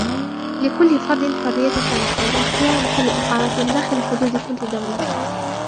لكل فرد حرية التنقل واختيار محل إقامته داخل حدود كل دولة.